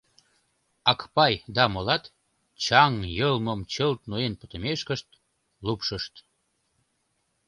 Акпай да молат — чаҥ йылмым чылт ноен пытымешкышт лупшышт.